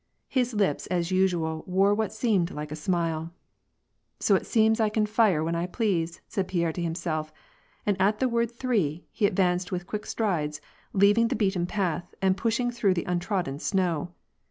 His lips as usu^ wore what seemed like a smile. " So it seems I .can fire when I please," said Pierre to him self, and at the word " three," he advanced with quick strides, leaving the beaten path, and pushing through the untrodden snow.